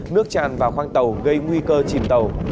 nước tràn vào khoang tàu gây nguy cơ chìm tàu